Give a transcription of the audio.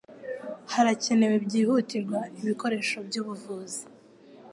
Harakenewe byihutirwa ibikoresho byubuvuzi.